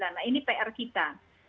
nah ini pr kita